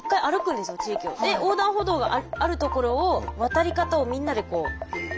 で横断歩道がある所を渡り方をみんなでこう。